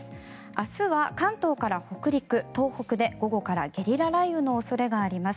明日は関東から北陸、東北で午後からゲリラ雷雨の恐れがあります。